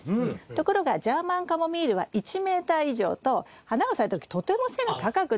ところがジャーマンカモミールは１メーター以上と花が咲いた時とても背が高くなるんですよ。